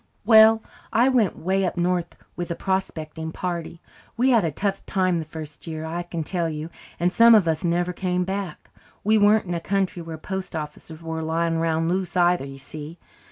"Well, I went way up north with a prospecting party. We had a tough time the first year, I can tell you, and some of us never came back. We weren't in a country where post offices were lying round loose either, you see.